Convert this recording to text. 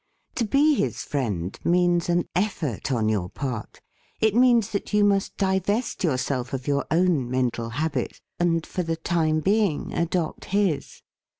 To be his friend means an ef fort on your part, it means that you must divest yourself of your own men tal habit, and, for the time being, adopt his.